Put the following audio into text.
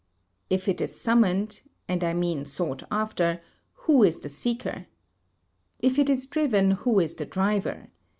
If it is summoned, and I mean sought after, who is the seeker? If it is driven, who is the driver?